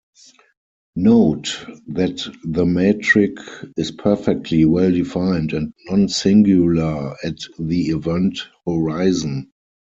Note that the metric is perfectly well defined and non-singular at the event horizon.